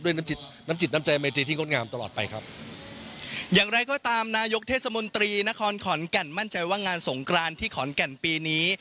อย่างไรก็ตามนายกเทศมนตรีนครขอนแก่นมั่นใจว่างงานสงกรานที่ขอนแก่นปีนี้